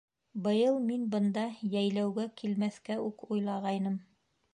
Быйыл мин бында йәйләүгә килмәҫкә үк уйлағайным.